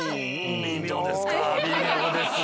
微妙ですね。